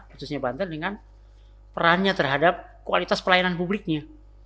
khususnya banten dengan perannya terhadap kualitas pelayanan publiknya